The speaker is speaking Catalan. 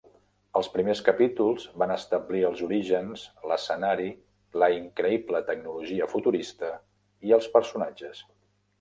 Els primers capítols van establir els orígens, l'escenari, la increïble tecnologia futurista i els personatges.